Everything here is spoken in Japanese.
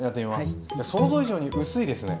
想像以上に薄いですね。